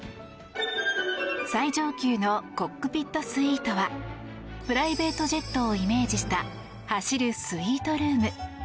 最上級のコックピットスイートはプライベートジェットをイメージした走るスイートルーム。